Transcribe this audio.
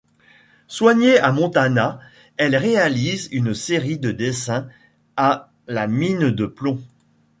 Soignée à Montana, elle réalise une série de dessins à la mine de plomb.